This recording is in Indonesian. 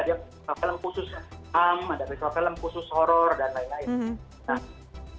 ada film khusus film khusus horror dan lain lain